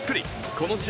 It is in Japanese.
この試合